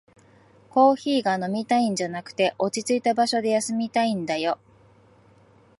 コーヒーが飲みたいんじゃなくて、落ちついた場所で休みたいんだよ